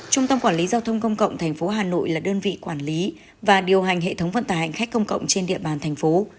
trung tâm quản lý giao thông công cộng tp hà nội là đơn vị quản lý và điều hành hệ thống vận tải hành khách công cộng trên địa bàn thành phố